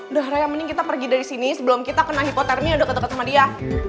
udah raya mending kita pergi dari sini sebelum kita kena hipotermia yang udah kedekat sama dia